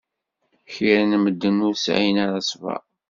Kra n medden ur sɛin ara ṣṣber.